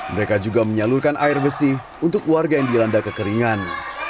mereka juga menyalurkan air bersih untuk warga yang dilanda kekeringan